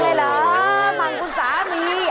มือถือร่วงเลยเหรอมั่งกุญษะนี้